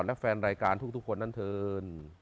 และแฟนรายการทุกคนนั้นเถิน